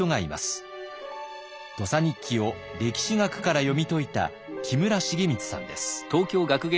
「土佐日記」を歴史学から読み解いた木村茂光さんです。